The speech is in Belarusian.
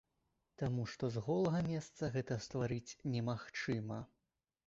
Таму што з голага месца гэта стварыць немагчыма.